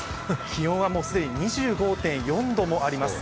気温はもう既に２５．４度もあります。